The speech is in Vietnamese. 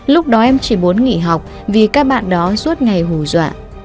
lúc đó em chỉ muốn nghỉ học vì các bạn đó suốt ngày hù dọa